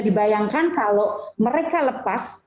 dibayangkan kalau mereka lepas